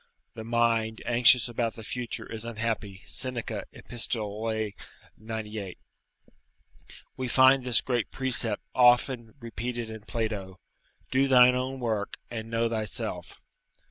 ["The mind anxious about the future is unhappy." Seneca, Epist., 98.] We find this great precept often repeated in Plato, "Do thine own work, and know thyself."